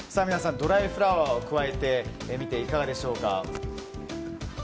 ドライフラワーを加えてみていかがでしょうか？